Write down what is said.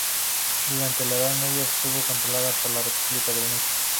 Durante la Edad Media, estuvo controlada por la República de Venecia.